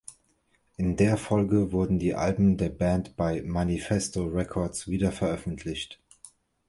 In der Folge wurden die Alben der Band bei "Manifesto Records" wiederveröffentlicht.